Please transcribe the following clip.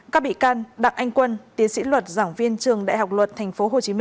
các bị can đặng anh quân tiến sĩ luật giảng viên trường đại học luật tp hcm